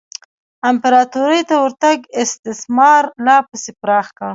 امپراتورۍ ته ورتګ استثمار لا پسې پراخ کړ.